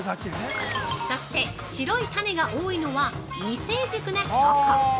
◆そして白い種が多いのは未成熟な証拠。